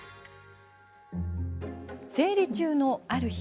生理中の、ある日。